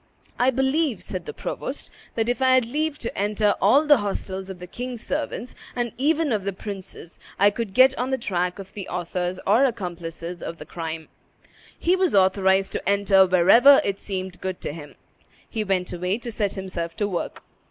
"I believe," said the provost, "that if I had leave to enter all the hostels of the king's servants, and even of the princes, I could get on the track of the authors or accomplices of the crime." He was authorized to enter wherever it seemed good to him. He went away to set himself to work.